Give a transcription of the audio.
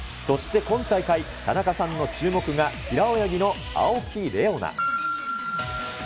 そして今大会、田中さんの注目が、平泳ぎの青木玲緒樹。